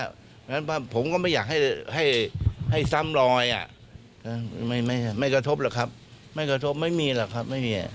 เพราะฉะนั้นผมก็ไม่อยากให้ซ้ำรอยไม่กระทบหรอกครับไม่มีหรอกครับ